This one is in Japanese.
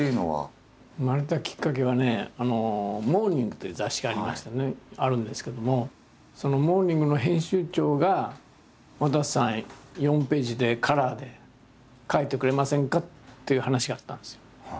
生まれたきっかけはね「モーニング」という雑誌がありましてねあるんですけどもその「モーニング」の編集長が「わたせさん４ページでカラーで描いてくれませんか？」っていう話があったんですよ。